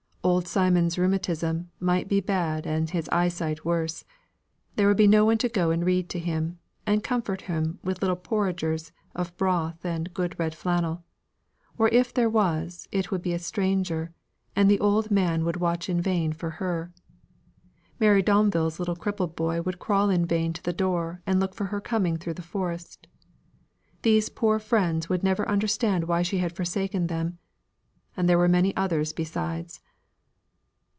Old Simon's rheumatism might be bad and his eyesight worse; there would be no one to go and read to him, and comfort him with little porringers of broth and good red flannel; or if there was, it would be a stranger, and the old man would watch in vain for her. Mary Domville's little crippled boy would crawl in vain to the door and look for her coming through the forest. These poor friends would never understand why she had forsaken them; and there were many others besides.